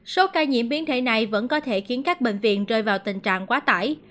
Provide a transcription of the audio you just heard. số ca nhiễm biến thể này vẫn có thể khiến các bệnh viện rơi vào tình trạng quá tải